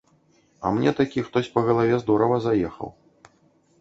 А мне такі хтось па галаве здорава заехаў.